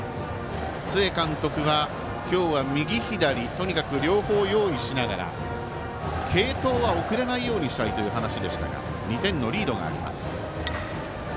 須江監督は今日は右左、とにかく両方用意しながら継投は遅れないようにしたいという話でしたが２点のリードがあります。